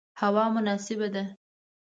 هوا مناسبه ده